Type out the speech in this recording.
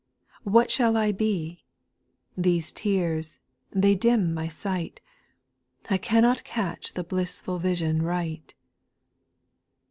What shall I be ? these tears — they dim my sight ; I cannot catch the blissful vision right.